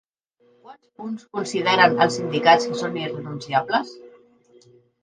Quants punts consideren els sindicats que són irrenunciables?